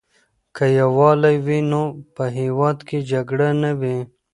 که یووالی وي نو په هېواد کې جګړه نه وي.